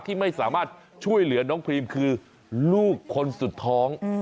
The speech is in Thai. ที่ไม่สามารถช่วยเหลือน้องพรีมคือลูกคนสุดท้อง